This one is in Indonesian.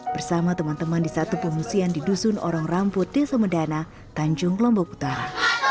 bersama teman teman di satu pengungsian di dusun orang ramput desa medana tanjung lombok utara